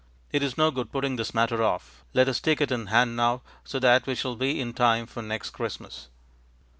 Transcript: It is no good putting this matter off; let us take it in hand now, so that we shall be in time for next Christmas.